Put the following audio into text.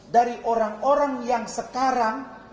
dari orang orang yang sekarang